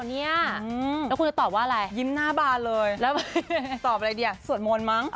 แล้วคุณจะตอบว่าอะไรยิ้มหน้าบานเลยแล้วตอบอะไรดีสวดมนต์มั้ง